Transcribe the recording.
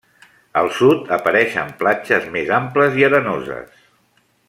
Al sud apareixen platges més amples i arenoses.